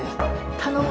頼む